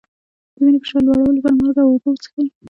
د وینې فشار لوړولو لپاره مالګه او اوبه وڅښئ